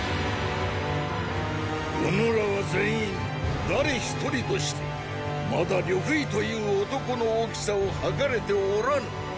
うぬらは全員誰一人としてまだ呂不韋という男の大きさを測れておらぬ。